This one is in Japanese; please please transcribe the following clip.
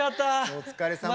お疲れさま。